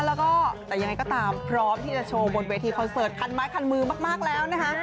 แล้วก็แต่ยังไงก็ตามพร้อมที่จะโชว์บนเวทีคอนเสิร์ตคันไม้คันมือมากแล้วนะคะ